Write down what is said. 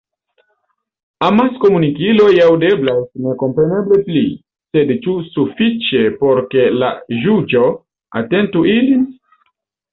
Amaskomunikiloj “aŭdeblas” nekompareble pli, sed ĉu sufiĉe por ke la ĵuĝo atentu ilin?